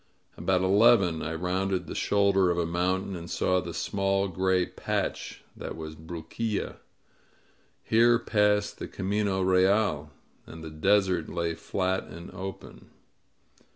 About eleven I rounded the shoulder of a mountain and saw the small gray patch that was Bruquilla. Here passed the Camino Real, and the desert lay flat and open.